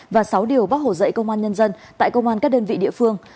và sáu điều bác hồ dạy công an nhân dân tại công an các đơn vị địa phương